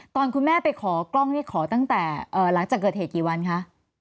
ตอนคุณแม่ไปขอกล้องนี่ขอตั้งแต่หลังจากเกิดเหตุกี่วันคะ